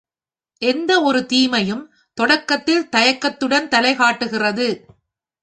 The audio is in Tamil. எந்த ஒரு தீமையும் தொடக்கத்தில் தயக்கத்துடன் தலைகாட்டுகிறது.